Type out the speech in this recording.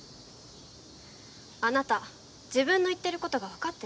あなた自分の言ってることが分かってる？